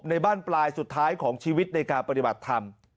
ในบ้านปลายสุดท้ายของชีวิตในการปฏิบัติธรรม